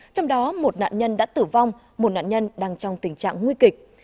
trong đó một nạn nhân đã tử vong một nạn nhân đang trong tình trạng nguy kịch